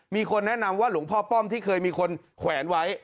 มีคนแนะนำว่าหลวงพ่อป้อมที่เคยมีคนแขวนไว้